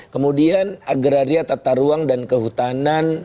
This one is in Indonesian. kemudian agraria tata ruang dan kehutanan